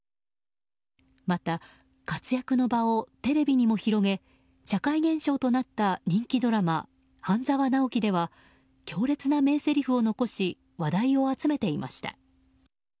また、活躍の場をテレビにも広げ社会現象となった人気ドラマ「半沢直樹」では強烈な名ぜりふを残し話題を集めていました。